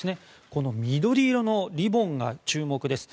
この緑色のリボンが注目です。